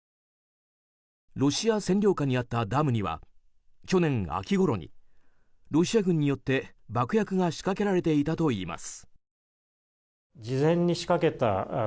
ロシア占領下にあったダムには去年秋ごろにロシア軍によって、爆薬が仕掛けられていたといいます。